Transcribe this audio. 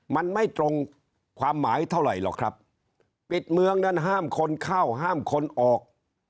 มันไม่ตรงความหมายเท่าไหร่หรอกครับปิดเมืองนั้นห้ามคนเข้าห้ามคนออก